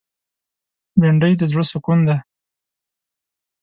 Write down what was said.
بېنډۍ د زړه سکون ده